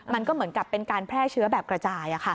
มันก็เหมือนกับเป็นการแพร่เชื้อแบบกระจาย